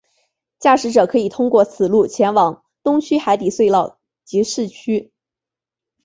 驾驶者可以通过此路前往东区海底隧道及市区。